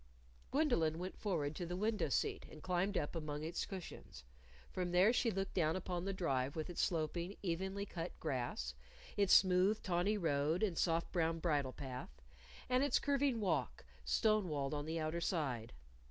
Gwendolyn went forward to the window seat and climbed up among its cushions. From there she looked down upon the Drive with its sloping, evenly cut grass, its smooth, tawny road and soft brown bridle path, and its curving walk, stone walled on the outer side.